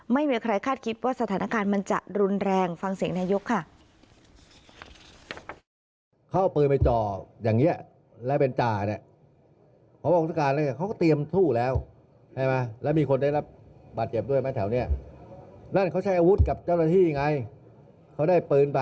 ไม่มีใครคาดคิดว่าสถานการณ์มันจะรุนแรงฟังเสียงนายกค่ะ